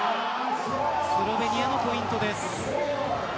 スロベニアのポイントです。